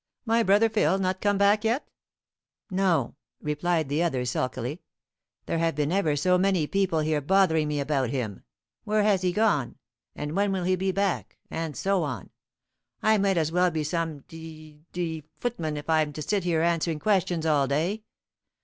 "My brother Phil not come back yet?" "No," replied the other, sulkily. "There have been ever so many people here bothering me about him. Where has he gone? and when will he be back? and so on. I might as well be some d d footman, if I'm to sit here answering questions all day.